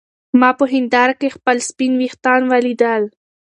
ما په هېنداره کې خپل سپین ويښتان ولیدل.